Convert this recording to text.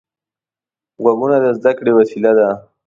غوږونه د زده کړې وسیله ده